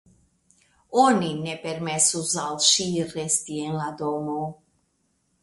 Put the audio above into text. Oni ne permesus al ŝi resti en la domo.